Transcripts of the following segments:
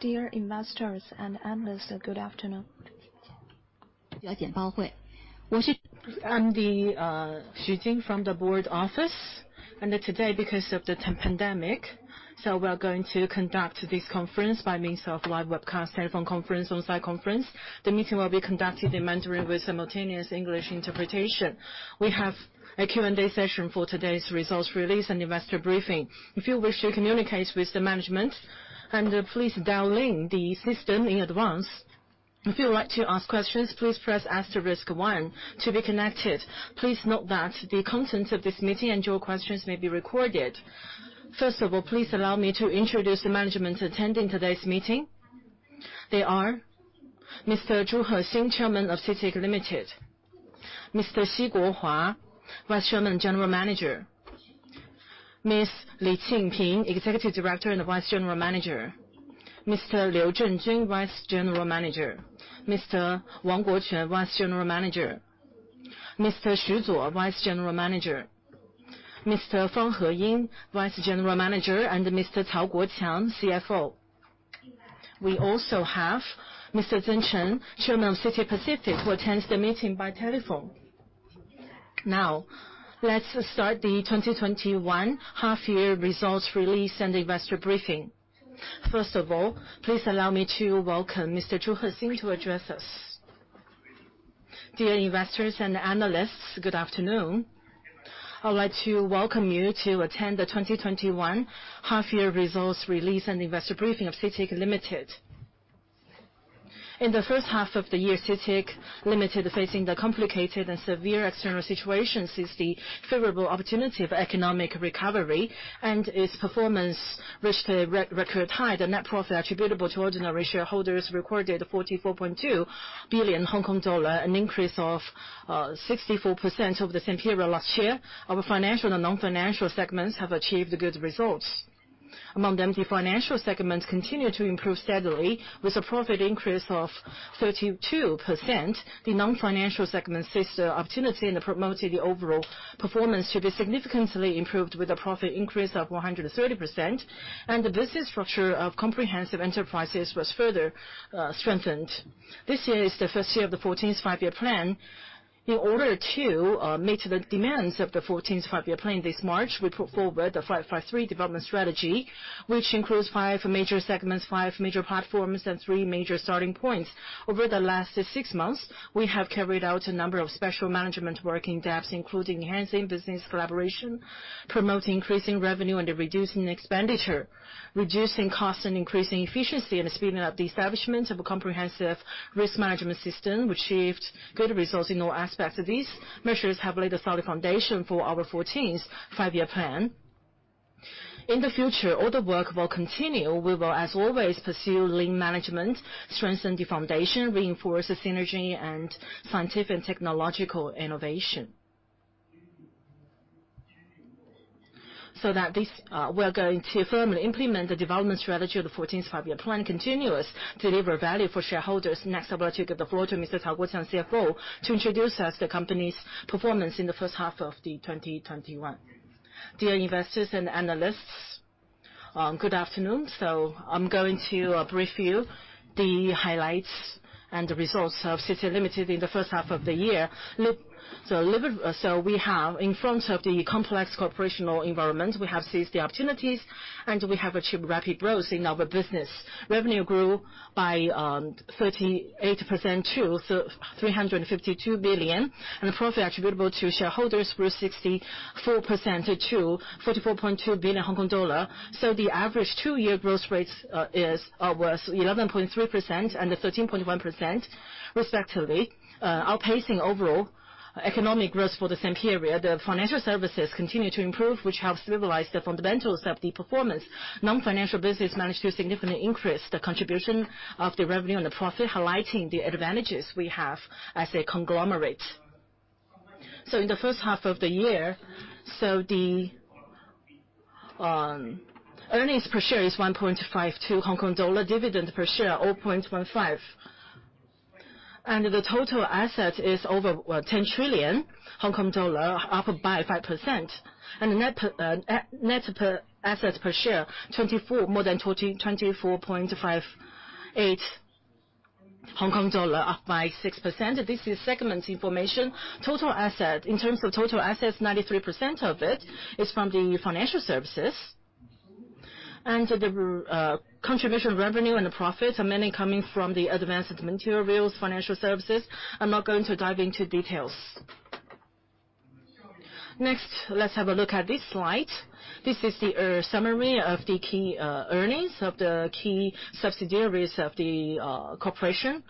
Dear investors and analysts, good afternoon. I'm Xu Jing from the board office. Today, because of the pandemic, we are going to conduct this conference by means of live webcast, telephone conference, on-site conference. The meeting will be conducted in Mandarin with simultaneous English interpretation. We have a Q&A session for today's results release and investor briefing. If you wish to communicate with the management, please dial in the system in advance. If you'd like to ask questions, please press asterisk one to be connected. Please note that the content of this meeting and your questions may be recorded. First of all, please allow me to introduce the management attending today's meeting. They are Mr. Zhu Hexin, Chairman of CITIC Limited. Mr. Xi Guohua, Vice Chairman, General Manager. Ms. Li Qingping, Executive Director and Vice General Manager. Mr. Liu Zhengjun, Vice General Manager. Mr. Wang Guoquan, Vice General Manager. Mr. Xu Zuo, Vice General Manager. Mr. Fang Heying, Vice General Manager, and Mr. Cao Guoqiang, CFO. We also have Mr. Zeng Chen, Chairman of CITIC Pacific, who attends the meeting by telephone. Now, let's start the 2021 half-year results release and investor briefing. First of all, please allow me to welcome Mr. Zhu Hexin to address us. Dear investors and analysts, good afternoon. I would like to welcome you to attend the 2021 half-year results release and investor briefing of CITIC Limited. In the first half of the year, CITIC Limited, facing the complicated and severe external situation, seized the favorable opportunity of economic recovery and its performance reached a record high. The net profit attributable to ordinary shareholders recorded 44.2 billion Hong Kong dollar, an increase of 64% over the same period last year. Our financial and non-financial segments have achieved good results. Among them, the financial segments continue to improve steadily with a profit increase of 32%. The non-financial segments seized the opportunity and promoted the overall performance to be significantly improved with a profit increase of 130%, and the business structure of comprehensive enterprises was further strengthened. This year is the first year of the 14th Five-Year Plan. In order to meet the demands of the 14th Five-Year Plan, this March, we put forward the 5-5-3 development strategy, which includes five major segments, five major platforms, and three major starting points. Over the last six months, we have carried out a number of special management working depths, including enhancing business collaboration, promoting increasing revenue and reducing expenditure, reducing costs and increasing efficiency, and speeding up the establishment of a comprehensive risk management system, which achieved good results in all aspects. These measures have laid a solid foundation for our 14th Five-Year Plan. In the future, all the work will continue. We will, as always, pursue lean management, strengthen the foundation, reinforce synergy and scientific technological innovation. We are going to firmly implement the development strategy of the 14th Five-Year Plan, continue to deliver value for shareholders. Next, I would like to give the floor to Mr. Cao Guoqiang, CFO, to introduce us the company's performance in the first half of the 2021. Dear investors and analysts, good afternoon. I'm going to brief you the highlights and the results of CITIC Limited in the first half of the year. We have, in front of the complex operational environment, we have seized the opportunities, and we have achieved rapid growth in our business. Revenue grew by 38% to 352 billion. The profit attributable to shareholders grew 64% to 44.2 billion Hong Kong dollar. The average two-year growth rate was 11.3% and 13.1%, respectively, outpacing overall economic growth for the same period. The financial services continue to improve, which helps stabilize the fundamentals of the performance. Non-financial business managed to significantly increase the contribution of the revenue and the profit, highlighting the advantages we have as a conglomerate. In the first half of the year, the earnings per share is 1.52 Hong Kong dollar, dividend per share, 0.15. The total asset is over 10 trillion Hong Kong dollar, up by 5%. Net assets per share, more than 24.58 Hong Kong dollar, up by 6%. This is segment information. In terms of total assets, 93% of it is from the financial services. The contribution revenue and the profits are mainly coming from the advanced materials financial services. I'm not going to dive into details. Let's have a look at this slide. This is the summary of the key earnings of the key subsidiaries of the corporation.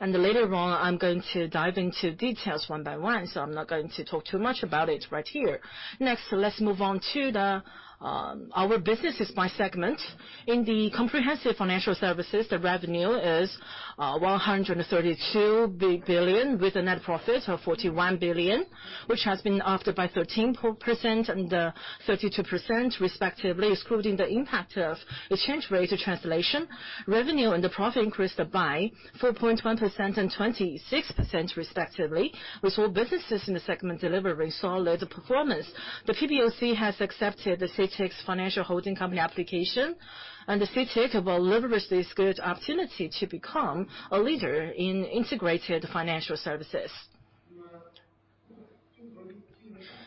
Later on, I'm going to dive into details one by one. I'm not going to talk too much about it right here. Let's move on to our businesses by segment. In the Comprehensive Financial Services, the revenue is 132 billion, with a net profit of 41 billion, which has been up by 13% and 32%, respectively. Excluding the impact of the exchange rate translation, revenue and the profit increased by 4.1% and 26%, respectively, with all businesses in the segment delivering solid performance. The PBOC has accepted the CITIC's financial holding company application. CITIC will leverage this good opportunity to become a leader in integrated financial services.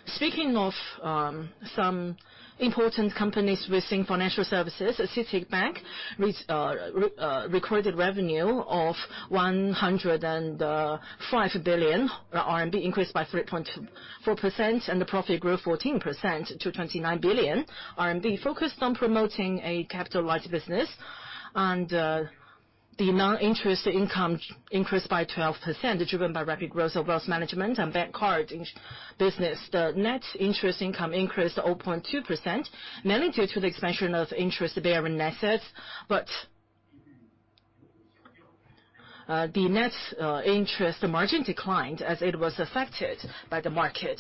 Speaking of some important companies within financial services, CITIC Bank recorded revenue of 105 billion RMB, increased by 3.4%. The profit grew 14% to 29 billion RMB, focused on promoting a capital-light business. The non-interest income increased by 12%, driven by rapid growth of wealth management and bank card business. The net interest income increased 0.2%, mainly due to the expansion of interest-bearing assets. The net interest margin declined as it was affected by the market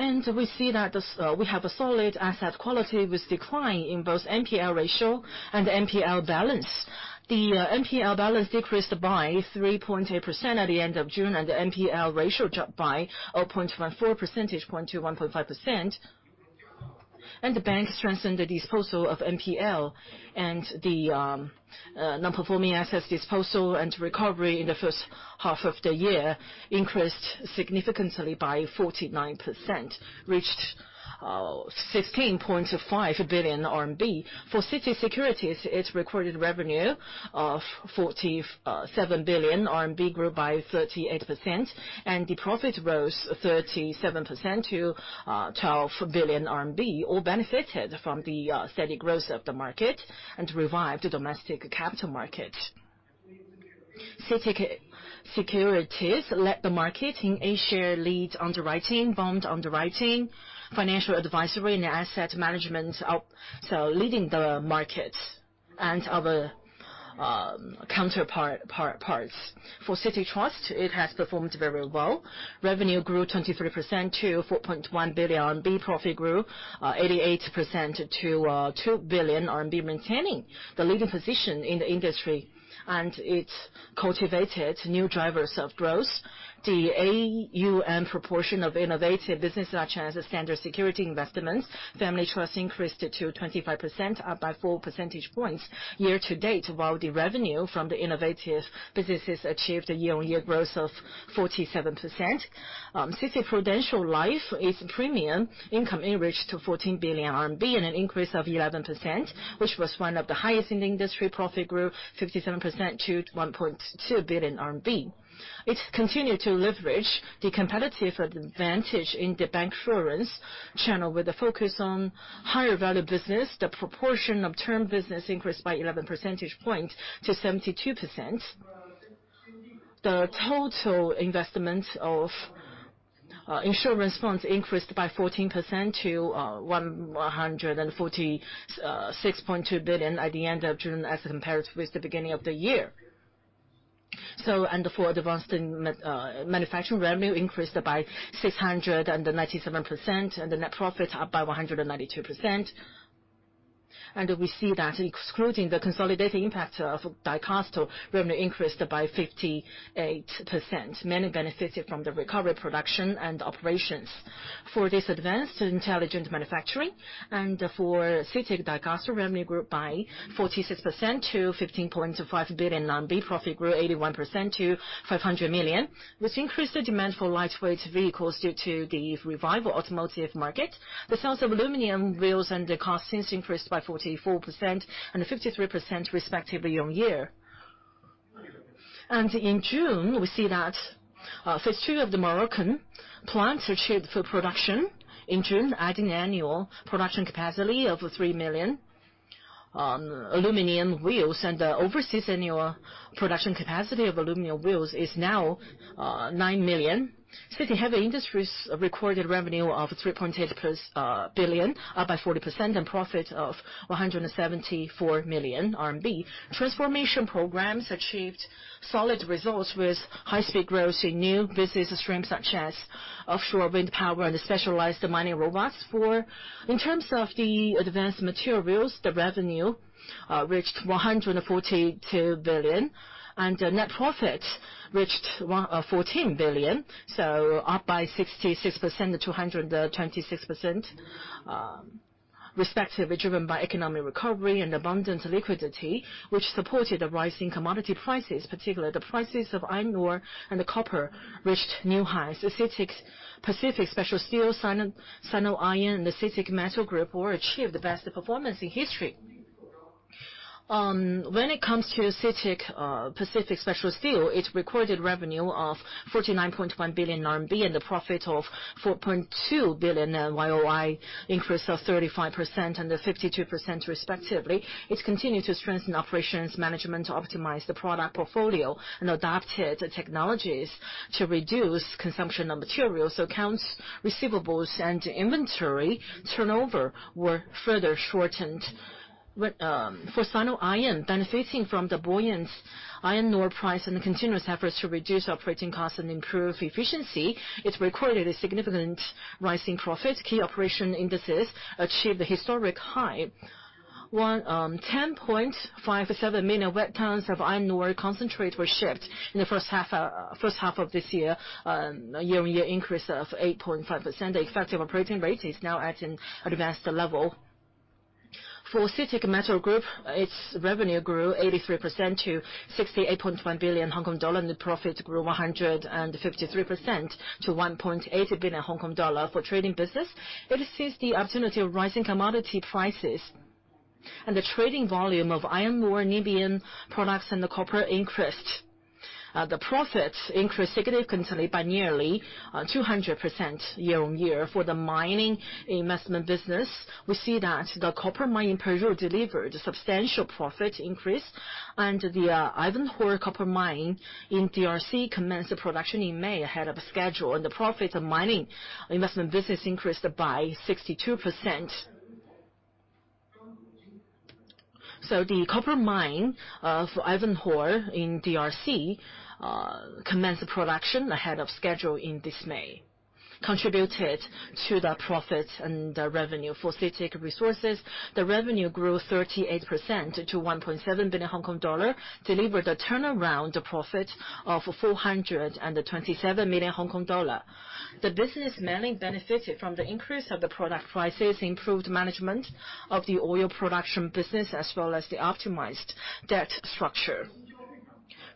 rates. We see that we have a solid asset quality with decline in both NPL ratio and NPL balance. The NPL balance decreased by 3.8% at the end of June. The NPL ratio dropped by 0.4 percentage points to 1.5%. The bank strengthened the disposal of NPL, and the non-performing assets disposal and recovery in the first half of the year increased significantly by 49%, reached 16.5 billion RMB. For CITIC Securities, it recorded revenue of 47 billion RMB, grew by 38%, and the profit rose 37% to 12 billion RMB, all benefited from the steady growth of the market and revived domestic capital market. CITIC Securities led the market in A-share lead underwriting, bond underwriting, financial advisory and asset management, leading the market and other counterparts. For CITIC Trust, it has performed very well. Revenue grew 23% to 4.1 billion RMB. Profit grew 88% to 2 billion RMB, maintaining the leading position in the industry. It cultivated new drivers of growth. The AUM proportion of innovative business such as standard security investments, family trust increased to 25%, up by 4 percentage points year-to-date, while the revenue from the innovative businesses achieved a year-on-year growth of 47%. CITIC Prudential Life, its premium income reached 14 billion RMB and an increase of 11%, which was one of the highest in the industry. Profit grew 57% to 1.2 billion RMB. It continued to leverage the competitive advantage in the bancassurance channel with the focus on higher value business. The proportion of term business increased by 11 percentage points to 72%. The total investment of insurance funds increased by 14% to 146.2 billion at the end of June as compared with the beginning of the year. For advanced manufacturing, revenue increased by 697% and the net profit up by 192%. We see that excluding the consolidating impact of Dicastal, revenue increased by 58%, mainly benefited from the recovery production and operations for this advanced intelligent manufacturing. For CITIC Dicastal, revenue grew up by 46% to 15.5 billion. Profit grew 81% to 500 million, which increased the demand for lightweight vehicles due to the revival automotive market. The sales of aluminum wheels and castings increased by 44% and 53% respectively year-on-year. In June, we see that phase II of the Moroccan plant achieved full production in June, adding annual production capacity of 3 million aluminum wheels. The overseas annual production capacity of aluminum wheels is now 9 million. CITIC Heavy Industries recorded revenue of 3.8 billion, up by 40%, and profit of 174 million RMB. Transformation programs achieved solid results with high-speed growth in new business streams such as offshore wind power and specialized mining robots. In terms of the advanced materials, the revenue reached 142 billion and net profit reached 14 billion, up by 66%-226% respectively, driven by economic recovery and abundant liquidity, which supported the rise in commodity prices, particularly the prices of iron ore and copper reached new highs. CITIC Pacific Special Steel, Sino Iron and CITIC Metal Group all achieved the best performance in history. When it comes to CITIC Pacific Special Steel, it recorded revenue of 49.1 billion RMB and a profit of 4.2 billion, a year-over-year increase of 35% and 52% respectively. It continued to strengthen operations management to optimize the product portfolio and adopted technologies to reduce consumption of materials. Accounts receivables and inventory turnover were further shortened. For Sino Iron, benefiting from the buoyant iron ore price and the continuous efforts to reduce operating costs and improve efficiency, it recorded a significant rise in profit. Key operation indices achieved a historic high. 10.57 million wet tons of iron ore concentrate were shipped in the first half of this year, a year-on-year increase of 8.5%. The effective operating rate is now at an advanced level. For CITIC Metal Group, its revenue grew 83% to 68.1 billion Hong Kong dollar, and the profit grew 153% to 1.8 billion Hong Kong dollar. For trading business, it seized the opportunity of rising commodity prices, and the trading volume of iron ore, niobium products, and the copper increased. The profit increased significantly by nearly 200% year-on-year. For the mining investment business, we see that the copper mine in Peru delivered substantial profit increase, and the Ivanhoe copper mine in DRC commenced production in May ahead of schedule, and the profit of mining investment business increased by 62%. The copper mine of Ivanhoe in D.R.C. commenced production ahead of schedule in May, contributed to the profit and revenue. For CITIC Resources, the revenue grew 38% to 1.7 billion Hong Kong dollar, delivered a turnaround profit of 427 million Hong Kong dollar. The business mainly benefited from the increase of the product prices, improved management of the oil production business, as well as the optimized debt structure.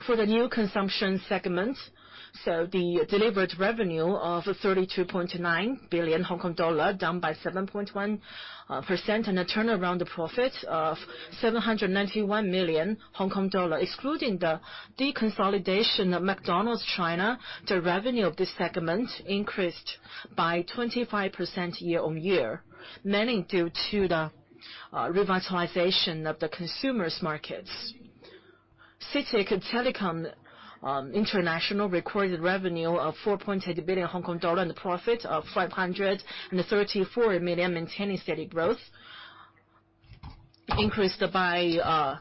For the new consumption segments, the delivered revenue of 32.9 billion Hong Kong dollar, down by 7.1%, and a turnaround profit of 791 million Hong Kong dollar. Excluding the deconsolidation of McDonald's China, the revenue of this segment increased by 25% year-over-year, mainly due to the revitalization of the consumer's markets. CITIC Telecom International recorded revenue of 4.8 billion Hong Kong dollar and a profit of 534 million, maintaining steady growth, increased by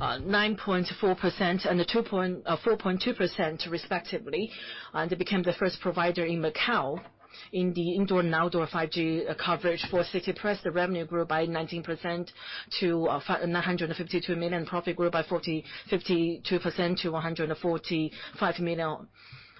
9.4% and 4.2% respectively. It became the first provider in Macau in the indoor and outdoor 5G coverage. For CITIC Press, the revenue grew by 19% to 952 million, profit grew by 52% to 145 million.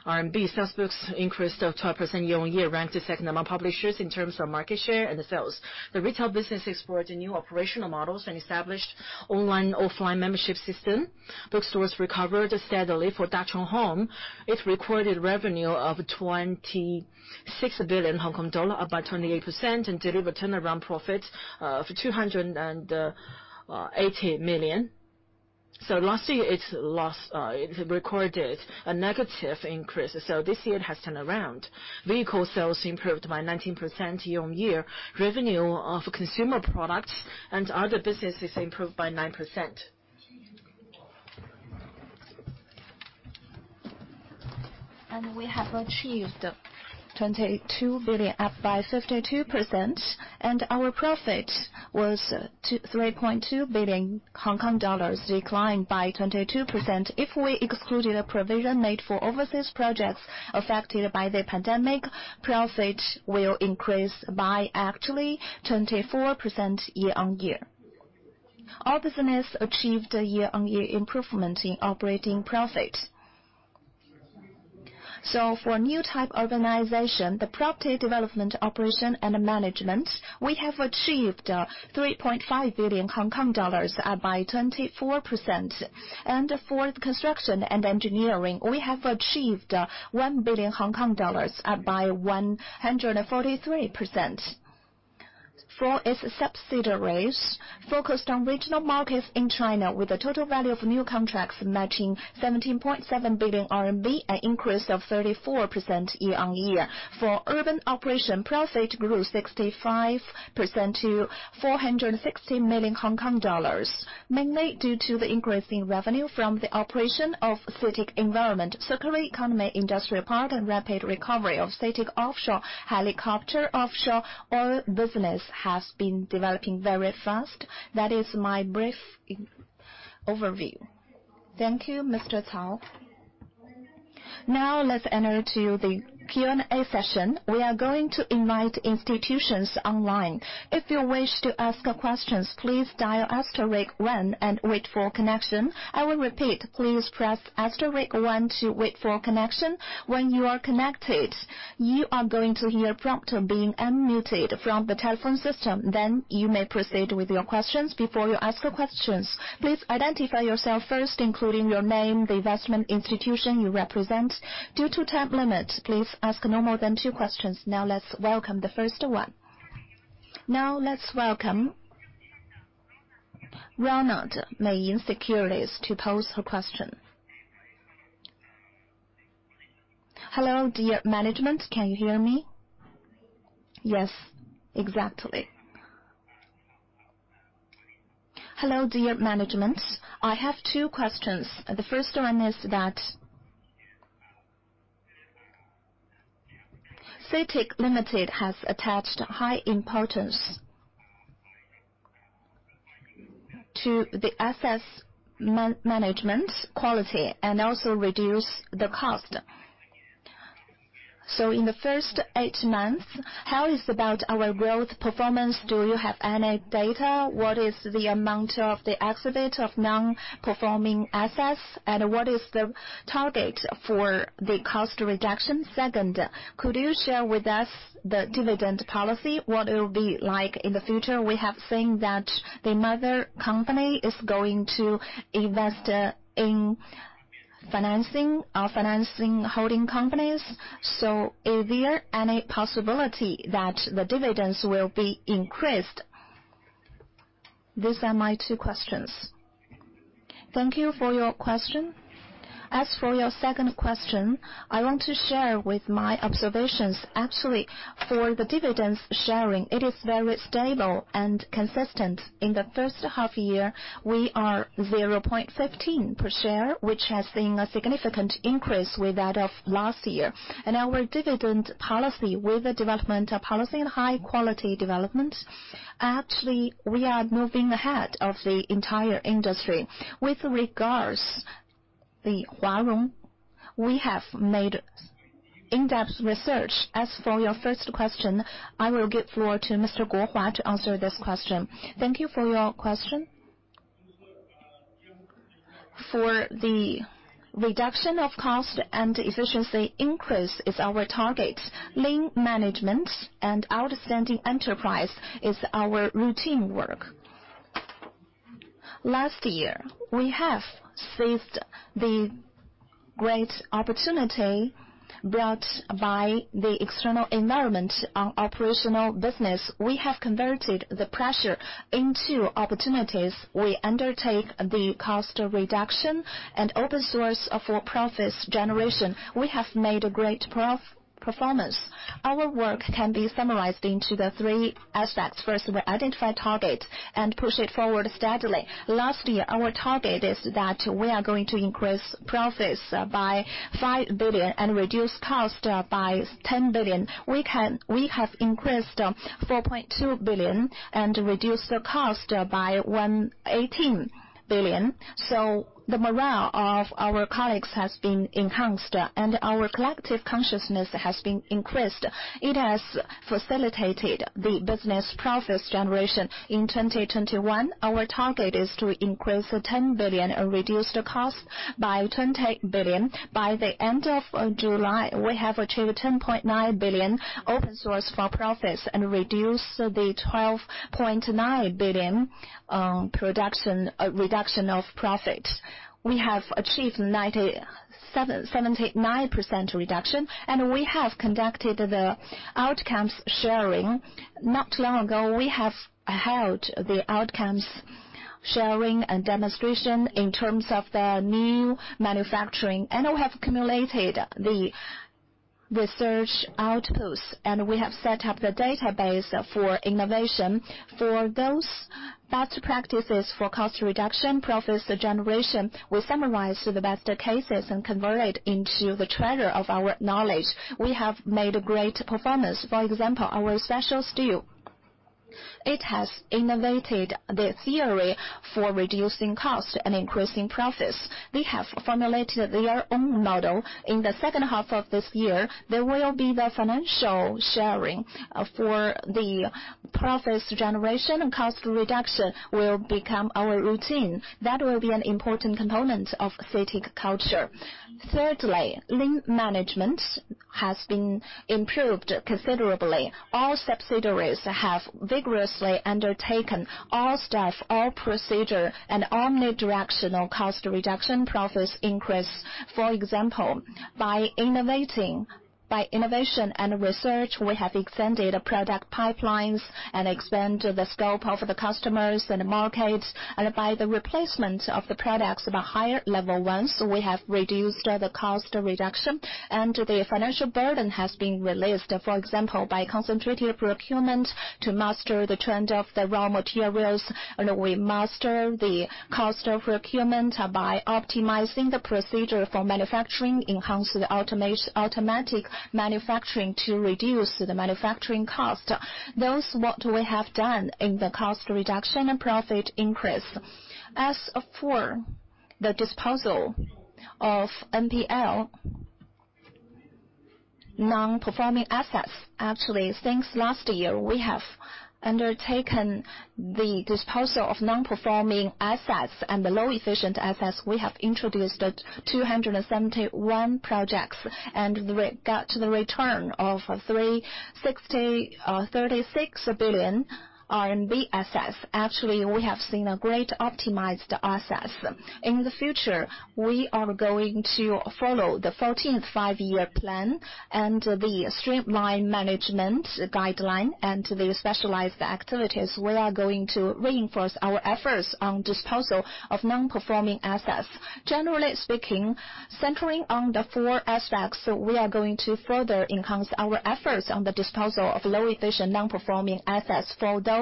Sales books increased 12% year-on-year, ranked second among publishers in terms of market share and sales. The retail business explored new operational models and established online/offline membership system. Bookstores recovered steadily. For Dah Chong Hong, it recorded revenue of 26 billion Hong Kong dollar, up by 28%, and delivered turnaround profit of 280 million. Last year, it recorded a negative increase. This year it has turned around. Vehicle sales improved by 19% year-on-year. Revenue of consumer products and other businesses improved by 9%. We have achieved 22 billion, up by 52%, and our profit was 3.2 billion Hong Kong dollars, declined by 22%. If we excluded a provision made for overseas projects affected by the pandemic, profit will increase by actually 24% year-on-year. All business achieved a year-on-year improvement in operating profit. For new type organization, the property development operation and management, we have achieved 3.5 billion Hong Kong dollars, up by 24%. For construction and engineering, we have achieved 1 billion Hong Kong dollars, up by 143%. For its subsidiaries focused on regional markets in China with a total value of new contracts matching 17.7 billion RMB, an increase of 34% year-on-year. For urban operation, profit grew 65% to 460 million Hong Kong dollars, mainly due to the increase in revenue from the operation of CITIC Environment, circular economy, industrial park, and rapid recovery of CITIC Offshore Helicopter. Helicopter offshore oil business has been developing very fast. That is my brief overview. Thank you, Mr. Cao. Now let's enter to the Q&A session. We are going to invite institutions online. If you wish to ask questions, please dial asterisk one and wait for connection. I will repeat. Please press asterisk one to wait for connection. When you are connected, then you may proceed with your questions. Before you ask your questions, please identify yourself first, including your name, the investment institution you represent. Due to time limit, please ask no more than two questions. Now let's welcome the first one. Now let's welcome Ronald, Mayin Securities, to pose her question. Hello, dear management. Can you hear me? Yes, exactly. Hello, dear management. I have two questions. The first one is that CITIC Limited has attached high importance to the asset management quality and also reduce the cost. In the first eight months, how is about our growth performance? Do you have any data? What is the amount of the active of non-performing assets, and what is the target for the cost reduction? Second, could you share with us the dividend policy, what it will be like in the future? We have seen that the mother company is going to invest in financing our financing holding companies. Is there any possibility that the dividends will be increased? These are my two questions. Thank you for your question. As for your second question, I want to share with my observations. Actually, for the dividends sharing, it is very stable and consistent. In the first half year, we are 0.15 per share, which has seen a significant increase with that of last year. Our dividend policy with the development policy and high quality development, actually, we are moving ahead of the entire industry. With regards to Huarong, we have made in-depth research. As for your first question, I will give floor to Mr. Guohua to answer this question. Thank you for your question. For the reduction of cost and efficiency increase is our target. Lean management and outstanding enterprise is our routine work. Last year, we have seized the great opportunity brought by the external environment on operational business. We have converted the pressure into opportunities. We undertake the cost reduction and open sources for profits generation. We have made a great performance. Our work can be summarized into the three aspects. We identify target and push it forward steadily. Last year, our target is that we are going to increase profits by 5 billion and reduce cost by 10 billion. We have increased 4.2 billion and reduced the cost by 1.18 billion. The morale of our colleagues has been enhanced, and our collective consciousness has been increased. It has facilitated the business profits generation. In 2021, our target is to increase 10 billion and reduce the cost by 20 billion. By the end of July, we have achieved 10.9 billion open source for profits and reduced the 12.9 billion reduction of profit. We have achieved 79% reduction, and we have conducted the outcomes sharing. Not long ago, we have held the outcomes sharing and demonstration in terms of the new manufacturing, and we have accumulated the research outputs, and we have set up the database for innovation. For those best practices for cost reduction, profits generation, we summarize the best cases and convert it into the treasure of our knowledge. We have made a great performance. For example, our CITIC Pacific Special Steel. It has innovated the theory for reducing cost and increasing profits. They have formulated their own model. In the second half of this year, there will be the financial sharing for the profits generation. Cost reduction will become our routine. That will be an important component of CITIC culture. Thirdly, lean management has been improved considerably. All subsidiaries have vigorously undertaken all staff, all procedure, and omnidirectional cost reduction, profits increase. For example, by innovation and research, we have extended product pipelines and expanded the scope of the customers and the markets. By the replacement of the products by higher level ones, we have reduced the cost reduction, and the financial burden has been released. For example, by concentrated procurement to master the trend of the raw materials, and we master the cost of procurement by optimizing the procedure for manufacturing, enhance the automatic manufacturing to reduce the manufacturing cost. Those what we have done in the cost reduction and profit increase. As for the disposal of NPA, non-performing assets, actually, since last year, we have undertaken the disposal of non-performing assets and low-efficient assets. We have introduced 271 projects, and got the return of 36 billion RMB assets. Actually, we have seen a great optimized assets. In the future, we are going to follow the 14th Five-Year Plan and the streamline management guideline and the specialized activities. We are going to reinforce our efforts on disposal of non-performing assets. Generally speaking, centering on the four aspects, we are going to further enhance our efforts on the disposal of low-efficient, non-performing assets. For those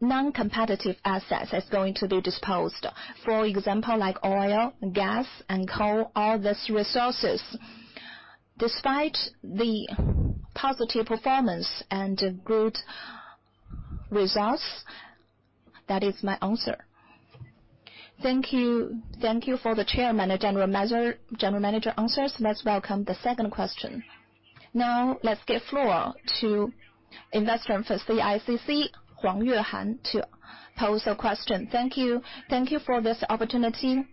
non-competitive assets, is going to be disposed. For example, like oil, gas, and coal, all these resources. Despite the positive performance and good results. That is my answer. Thank you for the chairman and general manager answers. Let's welcome the second question. Now let's give floor to investor for CICC, Huang Yuhan, to pose a question. Thank you. Thank you for this opportunity.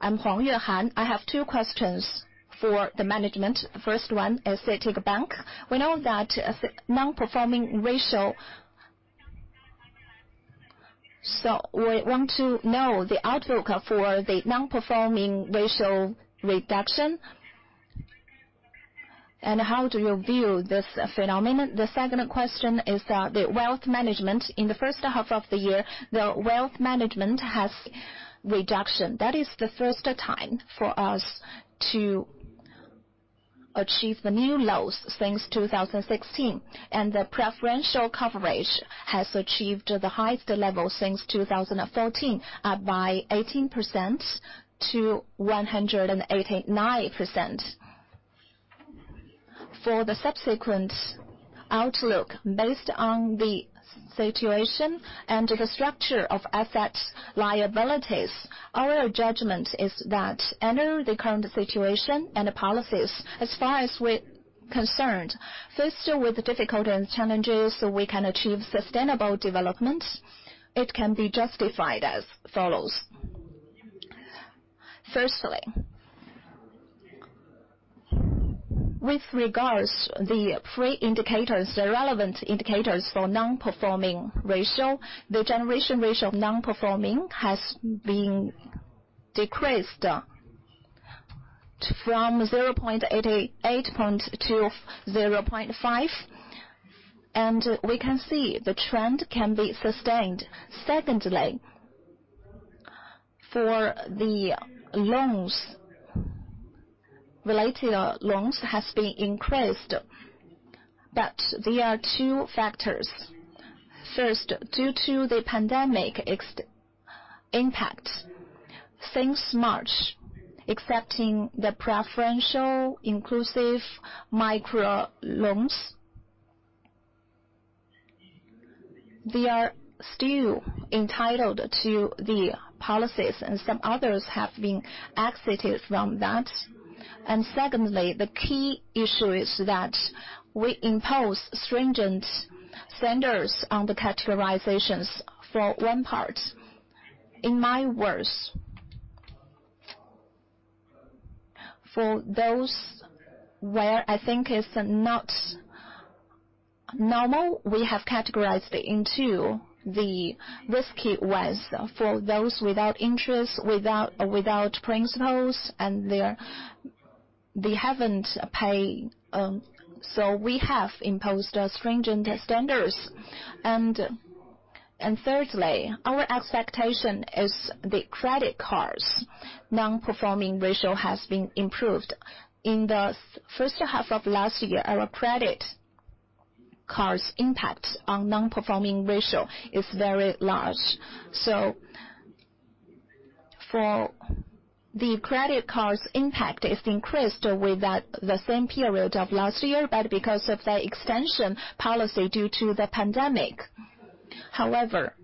I'm Huang Yuhan. I have two questions for the management. First one is CITIC Bank. We want to know the outlook for the non-performing ratio reduction, and how do you view this phenomenon? The second question is the wealth management. In the first half of the year, the wealth management has reduction. That is the first time for us to achieve the new lows since 2016. The preferential coverage has achieved the highest level since 2014 by 18%-189%. For the subsequent outlook, based on the situation and the structure of assets liabilities, our judgment is that under the current situation and policies, as far as we're concerned, first, with the difficulty and challenges, we can achieve sustainable development. It can be justified as follows. With regards the pre-indicators, the relevant indicators for non-performing ratio, the generation ratio of non-performing has been decreased from 0.88 point to 0.5, and we can see the trend can be sustained. For the loans. Related loans has been increased, but there are two factors. First, due to the pandemic impact since March, excepting the preferential inclusive micro loans, they are still entitled to the policies and some others have been exited from that. Secondly, the key issue is that we impose stringent standards on the categorizations for one part. In my words, for those where I think it's not normal, we have categorized it into the risky ones. For those without interest, without principals, and they haven't paid, so we have imposed stringent standards. Thirdly, our expectation is the credit cards non-performing ratio has been improved. In the first half of last year, our credit cards impact on non-performing ratio is very large. For the credit cards impact is increased with the same period of last year, but because of the extension policy due to the pandemic. However,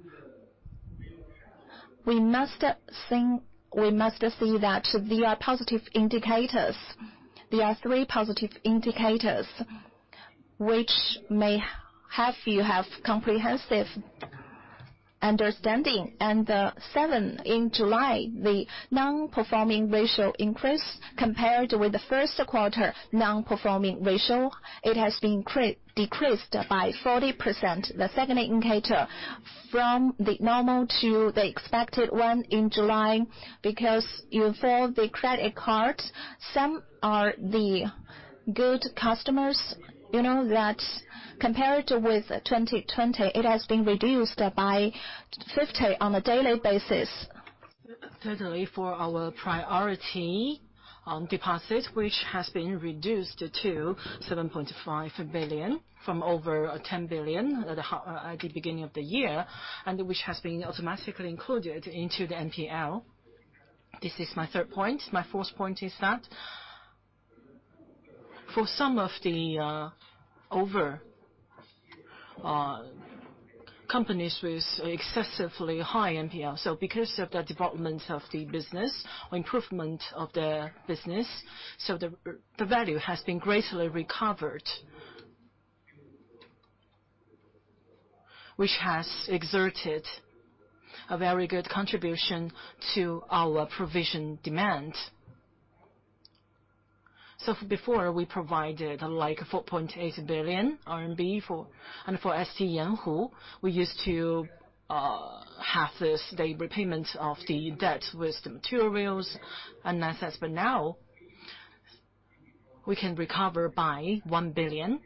we must see that there are positive indicators. There are three positive indicators, which may help you have comprehensive understanding. The 7th in July, the non-performing ratio increase compared with the first quarter non-performing ratio, it has been decreased by 40%, the second indicator from the normal to the expected one in July, because you fill the credit card, some are the good customers. You know that compared with 2020, it has been reduced by 50 on a daily basis. Thirdly, for our priority on deposit, which has been reduced to 7.5 billion from over 10 billion at the beginning of the year, and which has been automatically included into the NPL. This is my third point. My fourth point is that for some of the other companies with excessively high NPL, because of the development of the business or improvement of the business, the value has been greatly recovered, which has exerted a very good contribution to our provision demand. Before we provided like 4.8 billion RMB, and for *ST Yanhu, we used to have this, the repayments of the debt with the materials and assets, but now we can recover by 1 billion.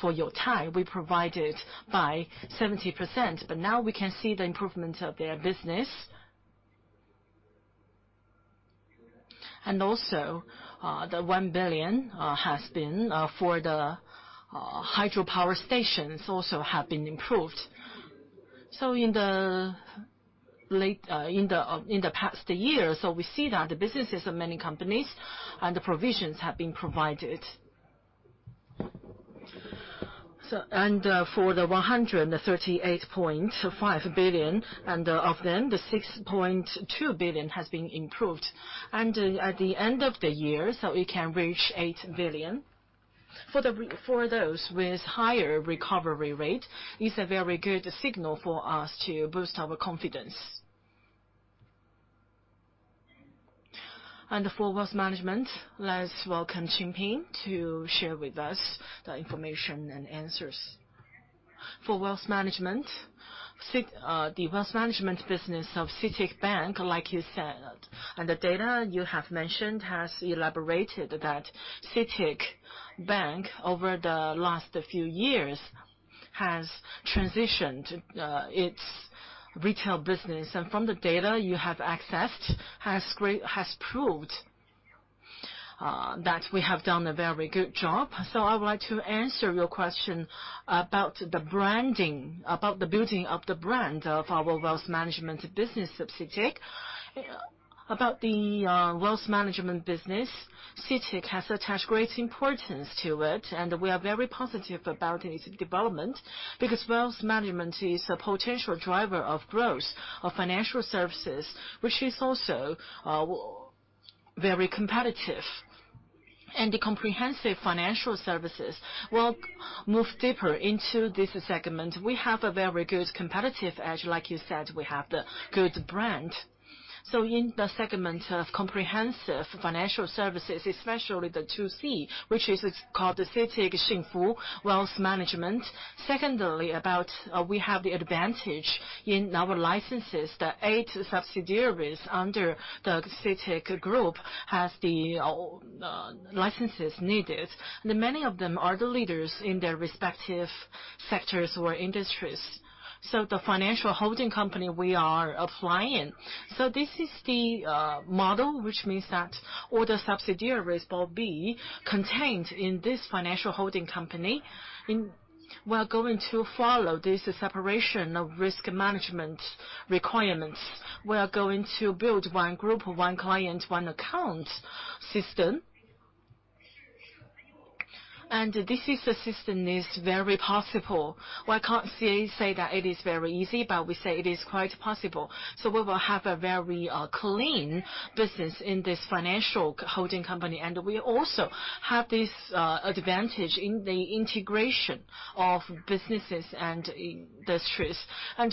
For Youtai, we provided by 70%, but now we can see the improvement of their business. Also, the 1 billion has been for the hydropower stations also have been improved. In the past year, we see that the businesses of many companies and the provisions have been provided. For the 138.5 billion, of them, the 6.2 billion has been improved. At the end of the year, it can reach 8 billion. For those with higher recovery rate, it's a very good signal for us to boost our confidence. For wealth management, let's welcome Li Qingping to share with us the information and answers. For wealth management. The wealth management business of China CITIC Bank, like you said, the data you have mentioned has elaborated that China CITIC Bank, over the last few years, has transitioned its retail business, from the data you have accessed, has proved that we have done a very good job. I would like to answer your question about the building of the brand of our wealth management business of CITIC. About the wealth management business, CITIC has attached great importance to it, and we are very positive about its development, because wealth management is a potential driver of growth of financial services, which is also very competitive. The comprehensive financial services will move deeper into this segment. We have a very good competitive edge. Like you said, we have the good brand. In the segment of comprehensive financial services, especially the 2C, which is called the CITIC Xingfu Wealth Management. Secondly, about we have the advantage in our licenses. The eight subsidiaries under the CITIC Group has the licenses needed. Many of them are the leaders in their respective sectors or industries. The financial holding company we are applying. This is the model, which means that all the subsidiaries will be contained in this financial holding company. We're going to follow this separation of risk management requirements. We are going to build one group, one client, one account system. This is a system that is very possible. Well, I can't say that it is very easy, but we say it is quite possible. We will have a very clean business in this financial holding company. We also have this advantage in the integration of businesses and industries.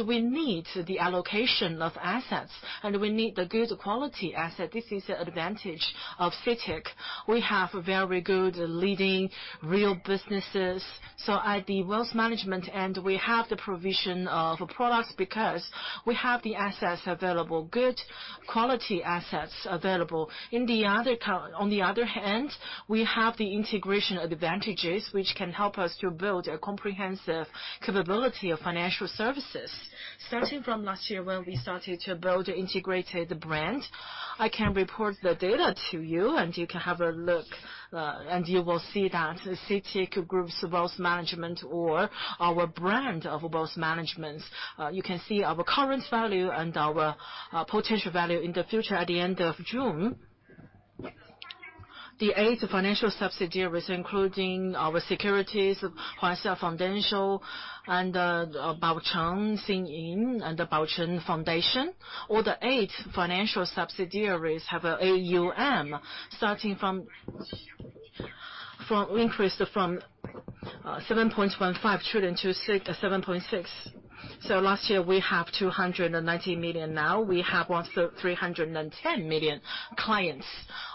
We need the allocation of assets, and we need the good quality asset. This is the advantage of CITIC. We have very good leading real businesses. At the wealth management end, we have the provision of products because we have the assets available, good quality assets available. On the other hand, we have the integration advantages which can help us to build a comprehensive capability of financial services. Starting from last year when we started to build the integrated brand, I can report the data to you and you can have a look. You will see that the CITIC Group's wealth management or our brand of wealth management. You can see our current value and our potential value in the future at the end of June. The eight financial subsidiaries, including our securities, Huaxia Fund, Baochang, Xingyun, and Baochun Foundation. All the eight financial subsidiaries have AUM increased from 7.15 trillion-7.6 trillion. Last year we have 219 million. Now we have 310 million clients.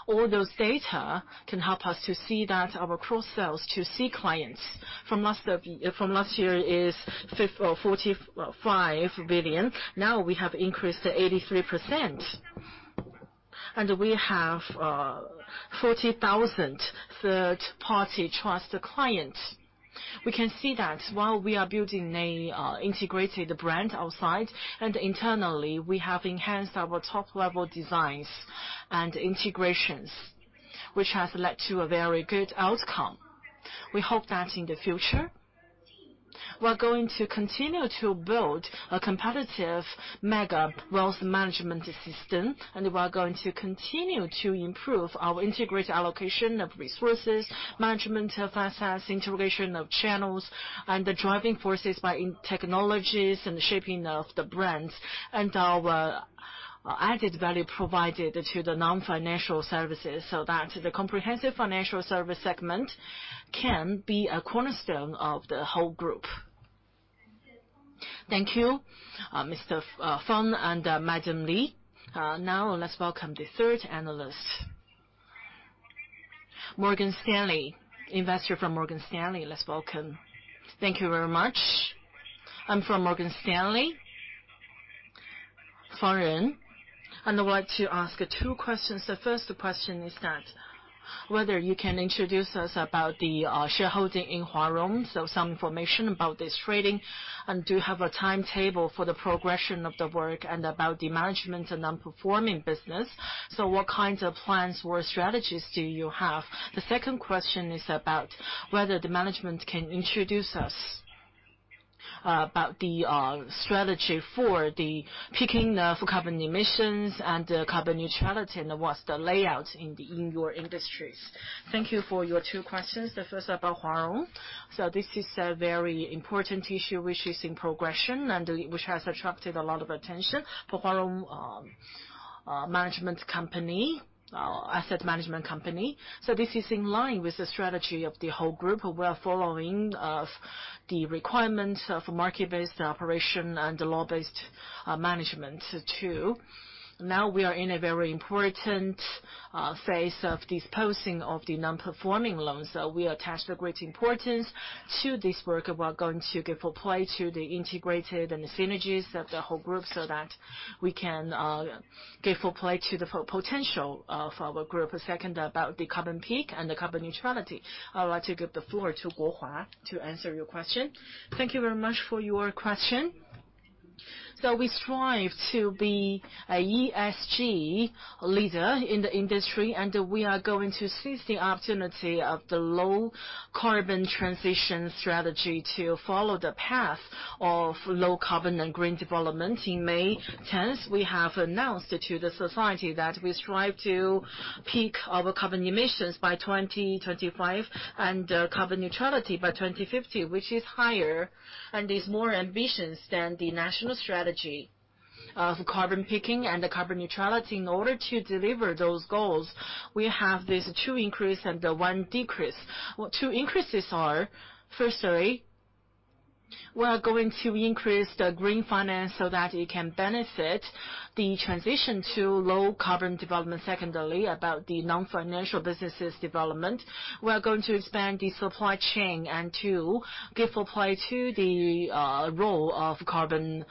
All those data can help us to see that our cross-sales to 2C clients from last year is 45 billion. Now we have increased to 83%. We have 40,000 third-party trust clients. We can see that while we are building an integrated brand outside, and internally, we have enhanced our top-level designs and integrations, which has led to a very good outcome. We hope that in the future, we are going to continue to build a competitive mega wealth management system, and we are going to continue to improve our integrated allocation of resources, management of assets, integration of channels, and the driving forces by technologies and shaping of the brands. Our added value provided to the non-financial services so that the comprehensive financial service segment can be a cornerstone of the whole group. Thank you, Mr. Cao and Madam Li. Now let's welcome the third analyst. Morgan Stanley. Investor from Morgan Stanley. Let's welcome. Thank you very much. I'm from Morgan Stanley, Florence. I would like to ask two questions. The first question is that whether you can introduce us about the shareholding in Huarong, some information about this trading. Do you have a timetable for the progression of the work and about the management and non-performing business? What kinds of plans or strategies do you have? The second question is about whether the management can introduce us about the strategy for the peaking of carbon emissions and carbon neutrality, what's the layout in your industries. Thank you for your two questions. The first about Huarong. This is a very important issue which is in progression and which has attracted a lot of attention for Huarong Asset Management Company. This is in line with the strategy of the CITIC Group. We are following the requirement of market-based operation and law-based management too. Now we are in a very important phase of disposing of the non-performing loans. We attach the great importance to this work. We are going to give full play to the integrated and the synergies of the whole group so that we can give full play to the full potential of our group. Second, about the carbon peak and the carbon neutrality, I would like to give the floor to Guohua to answer your question. Thank you very much for your question. We strive to be an ESG leader in the industry, and we are going to seize the opportunity of the low carbon transition strategy to follow the path of low carbon and green development. On May 10th, we have announced to the society that we strive to peak our carbon emissions by 2025, and carbon neutrality by 2050, which is higher and is more ambitious than the national strategy of carbon peaking and carbon neutrality. In order to deliver those goals, we have these two increases and one decrease. What two increases are, firstly, we are going to increase the green finance so that it can benefit the transition to low carbon development. Secondly, about the non-financial businesses development, we are going to expand the supply chain and to give full play to the role of low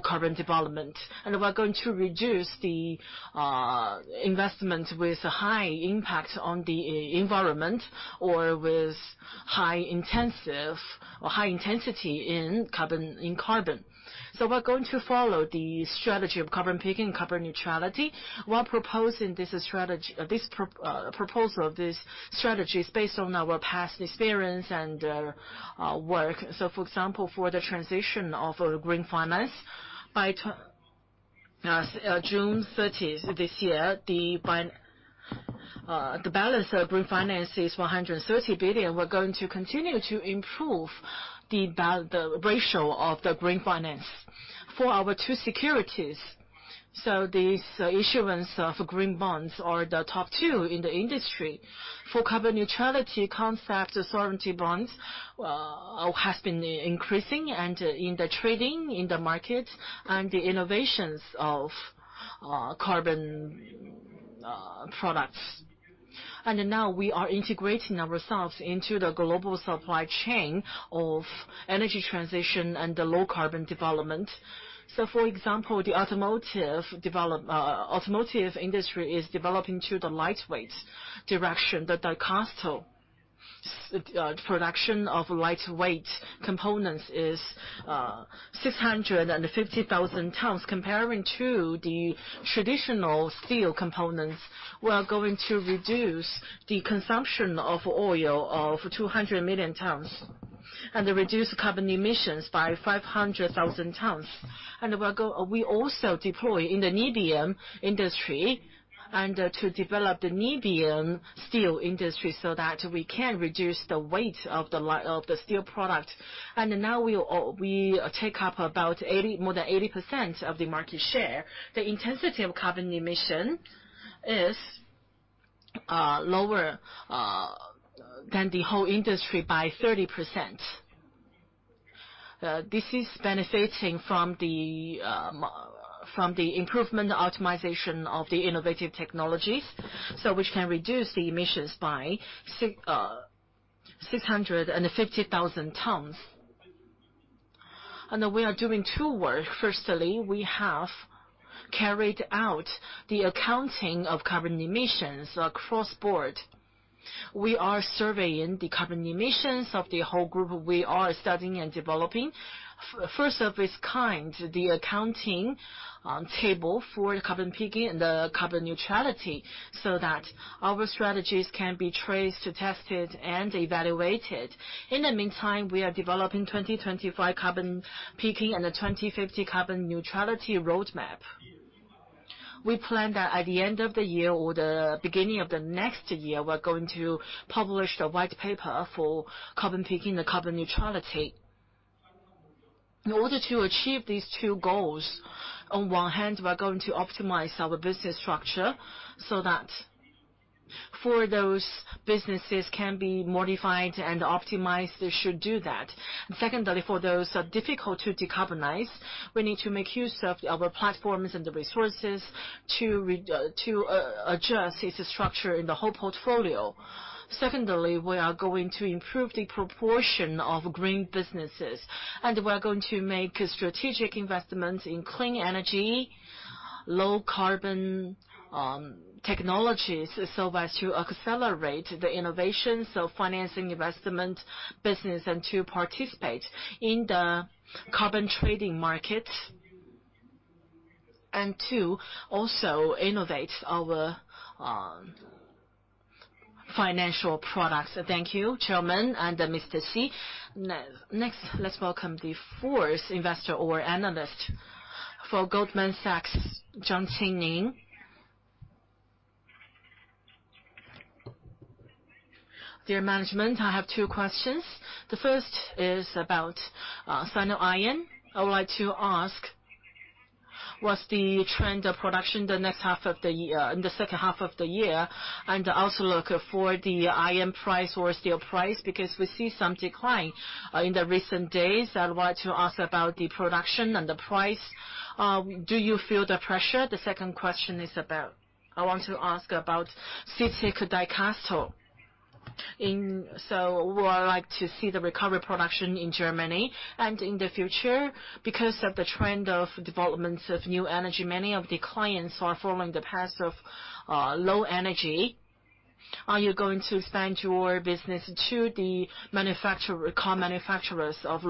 carbon development. We're going to reduce the investment with a high impact on the environment or with high-intensive or high intensity in carbon. We're going to follow the strategy of carbon peaking and carbon neutrality. This proposal of this strategy is based on our past experience and work. For example, for the transition of green finance, by June 30th this year, the balance of green finance is 130 billion. We're going to continue to improve the ratio of the green finance for our two securities. These issuance of green bonds are the top two in the industry. For carbon neutrality concept, sovereignty bonds has been increasing and in the trading in the market and the innovations of carbon products. Now we are integrating ourselves into the global supply chain of energy transition and low carbon development. For example, the automotive industry is developing to the lightweight direction. The die-cast production of lightweight components is 650,000 tons. Comparing to the traditional steel components, we are going to reduce the consumption of oil of 200 million tons, and reduce carbon emissions by 500,000 tons. We also deploy in the niobium industry and to develop the niobium steel industry so that we can reduce the weight of the steel product. Now we take up about more than 80% of the market share. The intensity of carbon emission is lower than the whole industry by 30%. This is benefiting from the improvement optimization of the innovative technologies. Which can reduce the emissions by 650,000 tons. We are doing two work. Firstly, we have carried out the accounting of carbon emissions across board. We are surveying the carbon emissions of the whole group. We are studying and developing, first of its kind, the accounting table for carbon peaking and carbon neutrality, so that our strategies can be traced, tested, and evaluated. In the meantime, we are developing 2025 carbon peaking and a 2050 carbon neutrality roadmap. We plan that at the end of the year or the beginning of the next year, we're going to publish a white paper for carbon peaking and carbon neutrality. In order to achieve these two goals, on one hand, we are going to optimize our business structure so that for those businesses can be modified and optimized should do that. Secondly, for those difficult to decarbonize, we need to make use of our platforms and the resources to adjust its structure in the whole portfolio. Secondly, we are going to improve the proportion of green businesses, and we are going to make strategic investments in clean energy, low carbon technologies, so as to accelerate the innovation, so financing investment business and to participate in the carbon trading market. Two, also innovate our financial products. Thank you, Chairman and Mr. Xi. Next, let's welcome the fourth investor or analyst for Goldman Sachs, Songqing Jiang. Dear management, I have two questions. The first is about Sino Iron. I would like to ask, what's the trend of production the next half of the year, in the second half of the year? Also look for the iron price or steel price, because we see some decline in the recent days. I want to ask about the production and the price. Do you feel the pressure? The second question is about, I want to ask about CITIC Dicastal. Would like to see the recovery production in Germany. In the future, because of the trend of developments of new energy, many of the clients are following the path of low energy. Are you going to expand your business to the car manufacturers of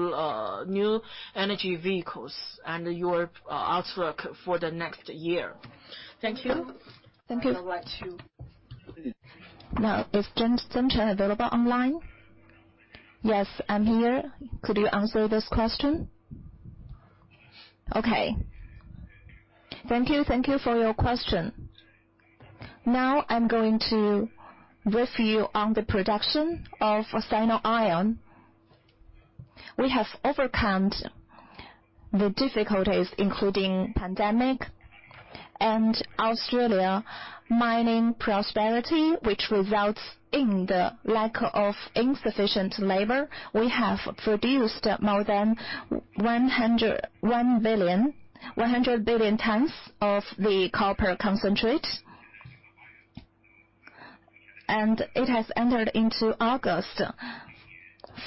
new energy vehicles and your outlook for the next year? Thank you. Thank you. I would like to. Now, is Jiang available online? Yes, I'm here. Could you answer this question? Okay. Thank you. Thank you for your question. I'm going to brief you on the production of Sino Iron. We have overcome the difficulties, including pandemic and Australia mining prosperity, which results in the lack of insufficient labor. We have produced more than 100 billion tons of the copper concentrate. It has entered into August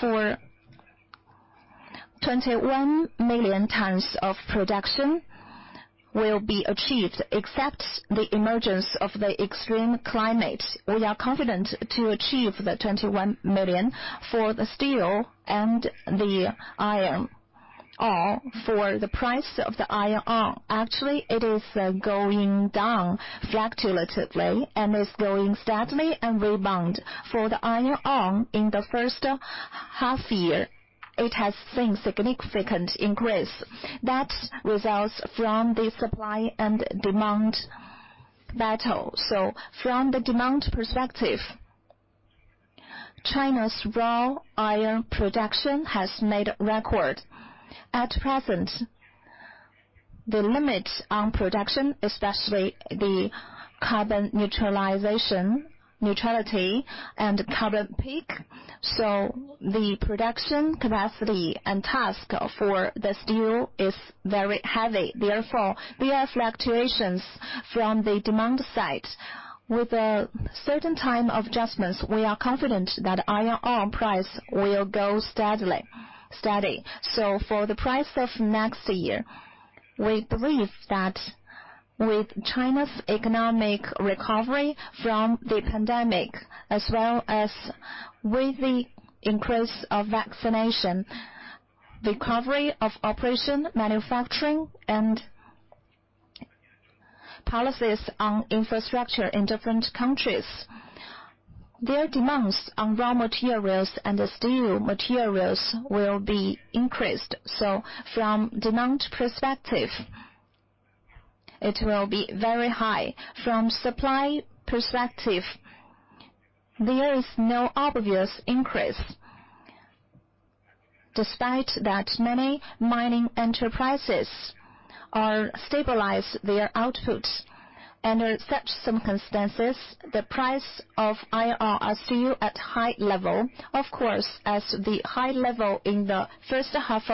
for 21 million tons of production will be achieved except the emergence of the extreme climate. We are confident to achieve the 21 million for the steel and the iron. For the price of the iron ore, actually, it is going down fluctuatively and is going steadily and rebound. For the iron ore in the first half year, it has seen significant increase. That results from the supply and demand battle. From the demand perspective, China's raw iron production has made a record. At present, the limit on production, especially the carbon neutrality and carbon peak. The production capacity and task for the steel is very heavy. There are fluctuations from the demand side. With a certain time of adjustments, we are confident that iron ore price will go steady. For the price of next year, we believe that with China's economic recovery from the pandemic, as well as with the increase of vaccination, recovery of operation, manufacturing, and policies on infrastructure in different countries, their demands on raw materials and the steel materials will be increased. From demand perspective, it will be very high. From supply perspective, there is no obvious increase. Despite that, many mining enterprises are stabilize their output. Under such circumstances, the price of iron ore are still at high level. Of course, as the high level in the first half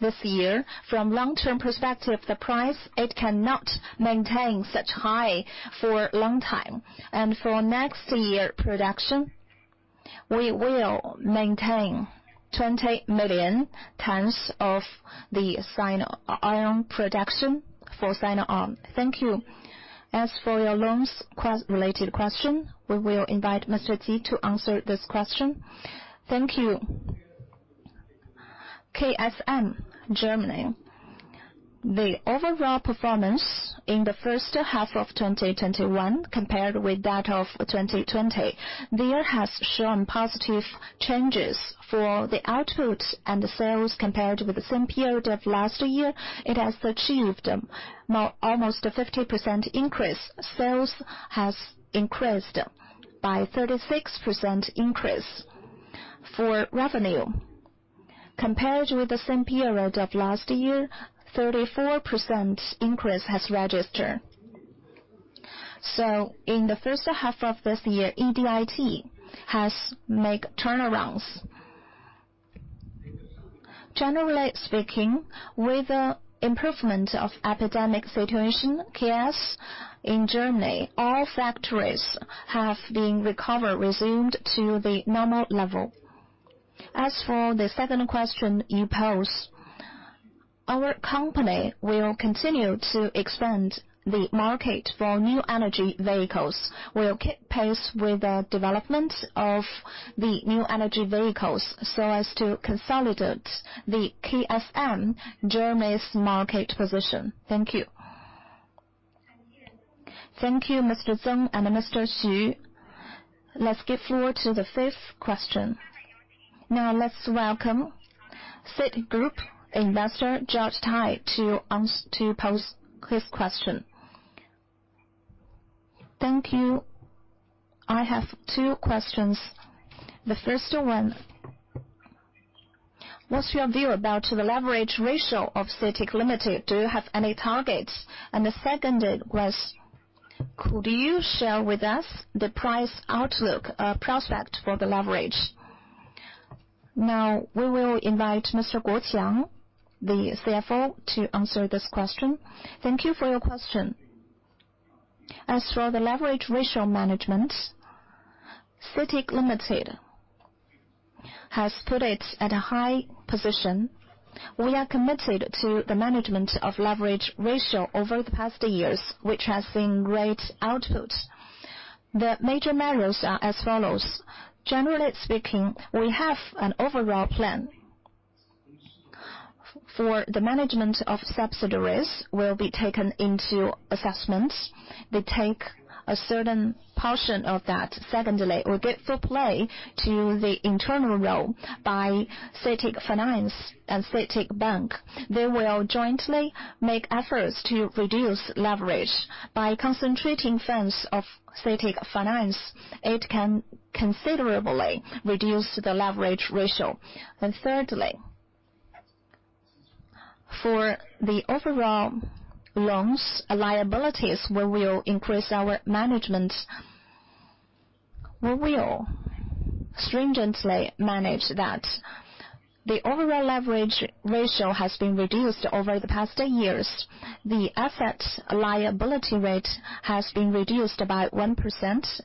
this year, from long-term perspective, the price, it cannot maintain such high for a long time. For next year production, we will maintain 20 million tons of the Sino Iron production for Sino Iron. Thank you. As for your loans related question, we will invite Mr. Xu to answer this question. Thank you. KSM, Germany. The overall performance in the first half of 2021 compared with that of 2020, there has shown positive changes for the output and sales compared with the same period of last year. It has achieved almost a 50% increase. Sales has increased by 36% increase. For revenue, compared with the same period of last year, 34% increase has registered. In the first half of this year, EBIT has make turnarounds. Generally speaking, with the improvement of epidemic situation, KSM, Germany, all factories have been recovered, resumed to the normal level. As for the second question you posed, our company will continue to expand the market for new energy vehicles. We will keep pace with the development of the new energy vehicles so as to consolidate the KSM, Germany's market position. Thank you. Thank you, Mr. Zeng and Mr. Xu. Let's give floor to the fifth question. Now, let's welcome CITIC Group investor, George Tai, to post his question. Thank you. I have two questions. The first one, what's your view about the leverage ratio of CITIC Limited? Do you have any targets? The second was, could you share with us the price outlook prospect for the leverage? Now, we will invite Mr. Cao Guoqiang, the CFO, to answer this question. Thank you for your question. As for the leverage ratio management, CITIC Limited has put it at a high position. We are committed to the management of leverage ratio over the past years, which has seen great outputs. The major measures are as follows. Generally speaking, we have an overall plan for the management of subsidiaries will be taken into assessment. They take a certain portion of that. Secondly, we give full play to the internal role by CITIC Finance and CITIC Bank. They will jointly make efforts to reduce leverage by concentrating funds of CITIC Finance. It can considerably reduce the leverage ratio. Thirdly, for the overall loans liabilities, we will increase our management. We will stringently manage that. The overall leverage ratio has been reduced over the past years. The asset liability rate has been reduced by 1%.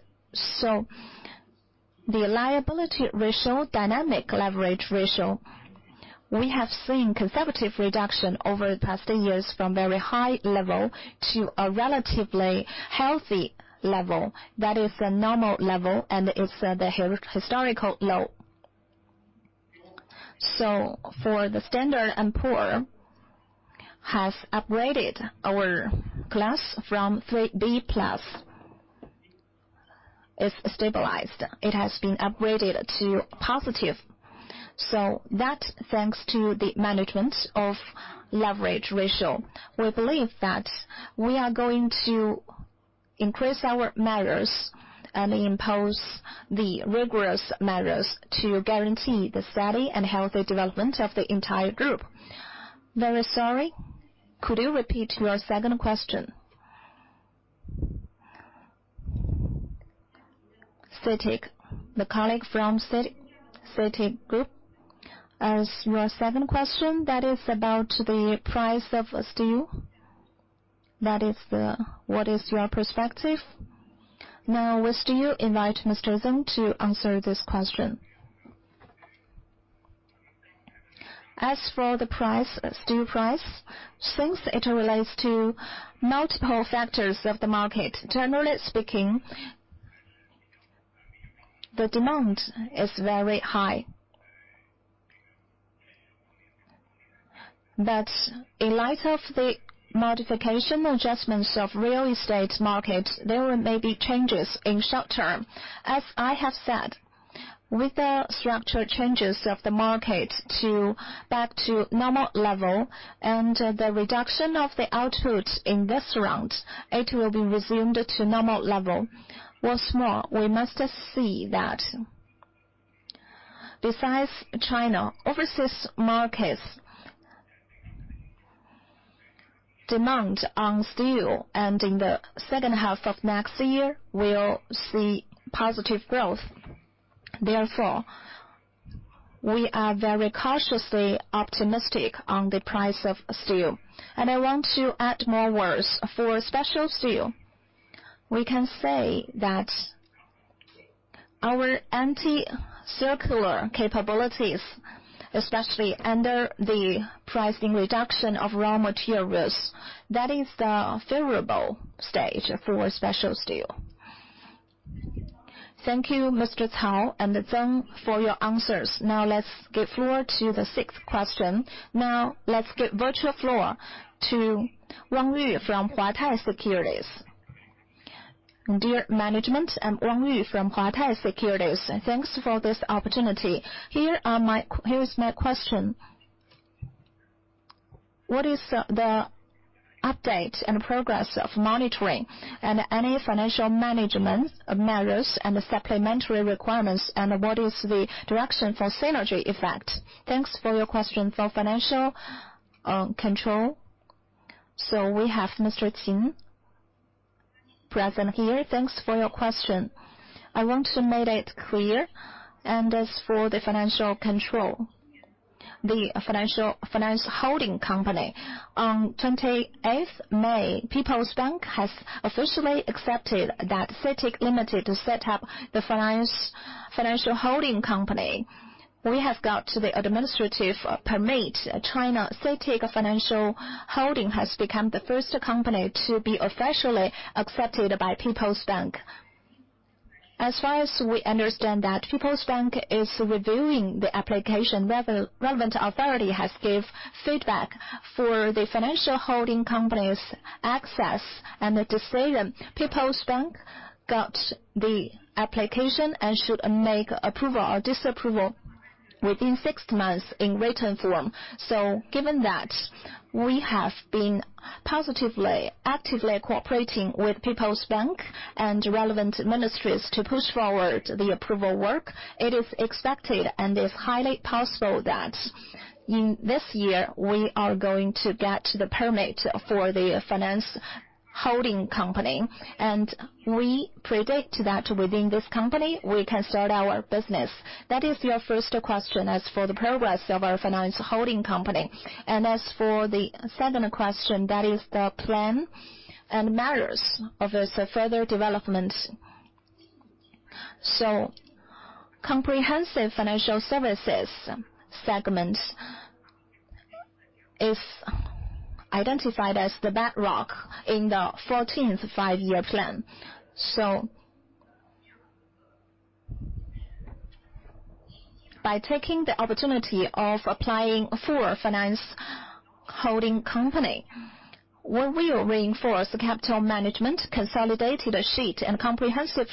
The liability ratio, dynamic leverage ratio, we have seen conservative reduction over the past years from very high level to a relatively healthy level. That is a normal level, and it's at a historical low. For the Standard & Poor's, has upgraded our class from BBB+. It's stabilized. It has been upgraded to positive. That's thanks to the management of leverage ratio. We believe that we are going to increase our measures and impose the rigorous measures to guarantee the steady and healthy development of the entire group. Very sorry. Could you repeat your second question? CITIC, the colleague from CITIC Group. As your second question, that is about the price of steel. That is, what is your perspective? Now, we still invite Mr. Zeng to answer this question. As for the steel price, since it relates to multiple factors of the market, generally speaking, the demand is very high. In light of the modification adjustments of real estate markets, there may be changes in short term. As I have said, with the structural changes of the market back to normal level and the reduction of the output in this round, it will be resumed to normal level. What's more, we must see that besides China, overseas markets demand on steel, and in the second half of next year, we'll see positive growth. Therefore, we are very cautiously optimistic on the price of steel. I want to add more words. For special steel, we can say that our anti-circular capabilities, especially under the pricing reduction of raw materials, that is the favorable stage for special steel. Thank you, Mr. Cao and Zeng, for your answers. Let's give floor to the sixth question. Let's give virtual floor to Wang Yu from Huatai Securities. Dear management, I'm Wang Yu from Huatai Securities. Thanks for this opportunity. Here is my question. What is the update and progress of monitoring and any financial management measures and supplementary requirements, and what is the direction for synergy effect? Thanks for your question. For financial control, we have Mr. Qin present here. Thanks for your question. I want to make it clear, as for the financial control, the financial holding company. On 28th May, People's Bank of China has officially accepted that CITIC Limited set up the financial holding company. We have got the administrative permit. CITIC Financial Holdings has become the first company to be officially accepted by People's Bank. As far as we understand that People's Bank is reviewing the application, relevant authority has give feedback for the financial holding company's access and decision. People's Bank got the application and should make approval or disapproval within six months in written form. Given that, we have been positively, actively cooperating with People's Bank and relevant ministries to push forward the approval work. It is expected and is highly possible that in this year, we are going to get the permit for the financial holding company. We predict that within this company, we can start our business. That is your first question, as for the progress of our financial holding company. As for the second question, that is the plan and matters of its further development. Comprehensive financial services segment is identified as the bedrock in the 14th Five-Year Plan. By taking the opportunity of applying for financial holding company, we will reinforce capital management, consolidated sheet and comprehensive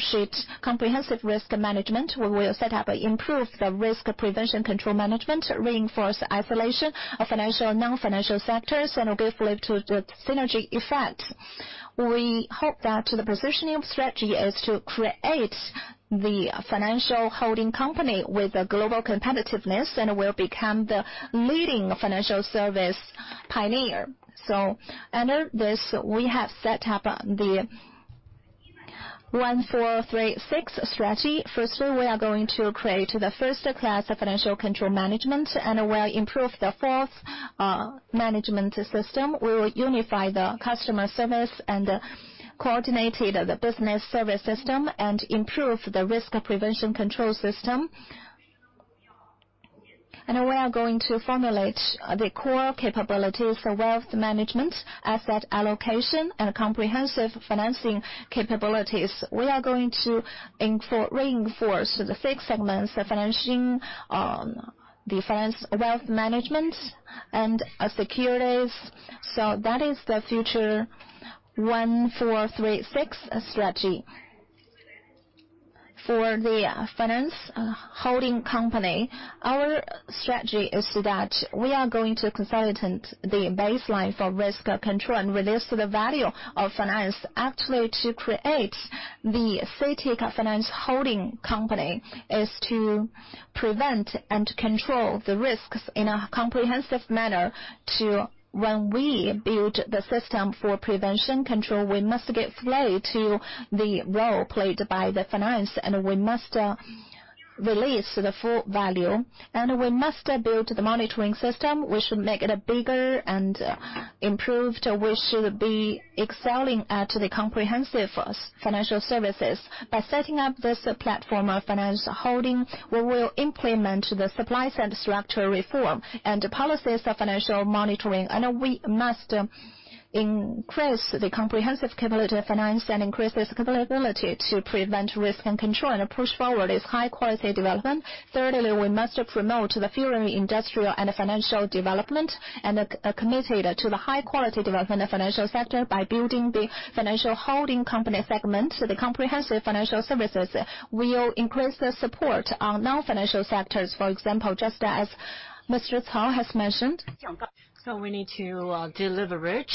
risk management. We will set up and improve the risk prevention control management, reinforce isolation of financial and non-financial sectors, and give play to the synergy effect. We hope that the positioning of strategy is to create the financial holding company with a global competitiveness and will become the leading financial service pioneer. Under this, we have set up the 1-4-3-6 strategy. Firstly, we are going to create the first-class of financial control management and will improve the fourth management system. We will unify the customer service and coordinate the business service system and improve the risk prevention control system. We are going to formulate the core capabilities for wealth management, asset allocation, and comprehensive financing capabilities. We are going to reinforce the six segments, the financing, the finance wealth management, and securities. That is the future 1-4-3-6 strategy. For the financial holding company, our strategy is that we are going to consolidate the baseline for risk control and release the value of finance. Actually, to create the CITIC Financial Holdings is to prevent and control the risks in a comprehensive manner. When we build the system for prevention control, we must give play to the role played by the finance, and we must release the full value. We must build the monitoring system. We should make it bigger and improved. We should be excelling at the comprehensive financial services. By setting up this platform of finance holding, we will implement the Supply-Side Structural Reform and the policies of financial monitoring. We must increase the comprehensive capability of finance and increase this capability to prevent risk and control and push forward its high-quality development. Thirdly, we must promote the fueling industrial and financial development, and are committed to the high-quality development of financial sector by building the financial holding company segment. The comprehensive financial services will increase the support on non-financial sectors. For example, just as Mr. Cao has mentioned. We need to deliver rich.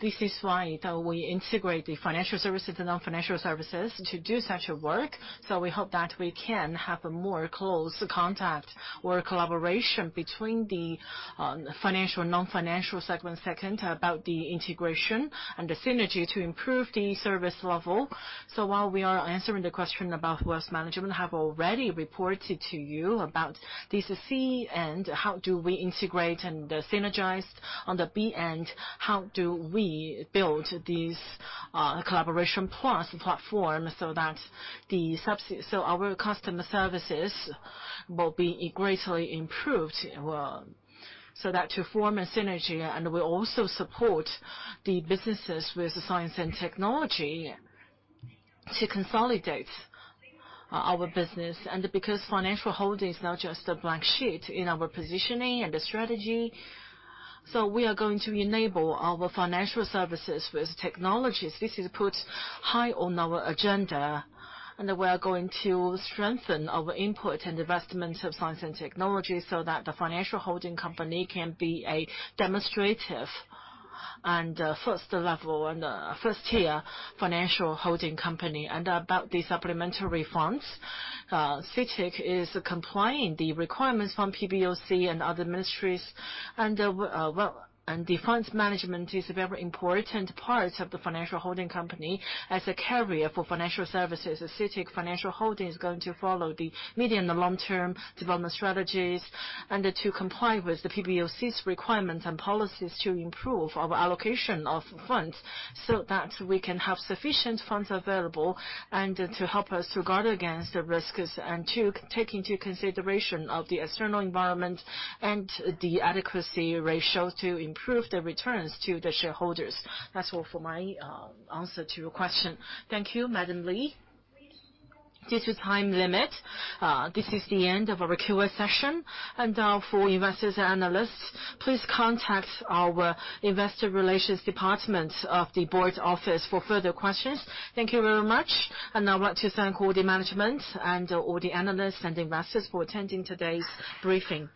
This is why we integrate the financial services and non-financial services to do such work. We hope that we can have a more close contact or collaboration between the financial and non-financial segment. Second, about the integration and the synergy to improve the service level. While we are answering the question about wealth management, I have already reported to you about this C, and how do we integrate and synergize on the B-end, how do we build this collaboration plus platform so our customer services will be greatly improved, so that to form a synergy and will also support the businesses with the science and technology to consolidate our business. Because financial holding is not just a blank sheet in our positioning and the strategy, we are going to enable our financial services with technologies. This is put high on our agenda. We are going to strengthen our input and investment of science and technology so that the financial holding company can be a demonstrative and first level and first tier financial holding company. About the supplementary funds, CITIC is complying the requirements from PBOC and other ministries. The funds management is a very important part of the financial holding company. As a carrier for financial services, CITIC Financial Holdings is going to follow the medium and long-term development strategies and to comply with the PBOC's requirements and policies to improve our allocation of funds so that we can have sufficient funds available and to help us to guard against the risks and to take into consideration of the external environment and the adequacy ratio to improve the returns to the shareholders. That's all for my answer to your question. Thank you, Madam Li. Due to time limit, this is the end of our Q&A session. For investors and analysts, please contact our investor relations department of the board office for further questions. Thank you very much. I would like to thank all the management and all the analysts and investors for attending today's briefing.